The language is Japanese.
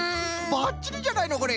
ばっちりじゃないのこれ。